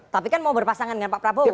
tapi kan mau berpasangan dengan pak prabowo